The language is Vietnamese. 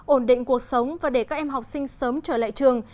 ổn định cuộc sống và để các em học sinh sớm trở lại trường